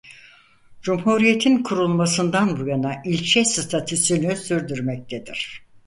Cumhuriyetin kurulmasından bu yana ilçe statüsünü sürdürmektedir.